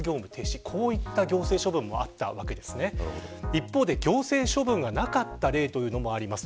一方で行政処分がなかった例というのもあります。